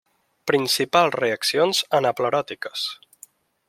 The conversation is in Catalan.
Principals reaccions anapleròtiques.